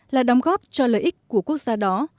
là đóng góp cho lợi ích của quốc gia đó